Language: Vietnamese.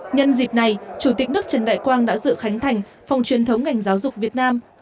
nhân dịp này chủ tịch nước trần đại quang đã dự khánh thành phòng truyền thống ngành giáo dục việt nam